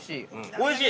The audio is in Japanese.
◆おいしい！